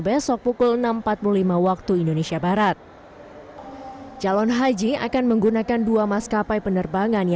besok pukul enam empat puluh lima waktu indonesia barat calon haji akan menggunakan dua maskapai penerbangan yang